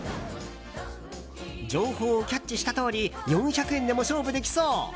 情報をキャッチしたとおり４００円でも勝負できそう！